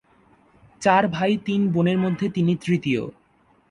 চার ভাই তিন বোনের মধ্যে তিনি তৃতীয়।